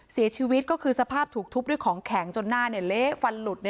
เสียชีวิตก็คือสภาพถูกทุบด้วยของแข็งจนหน้าเละฟันหลุด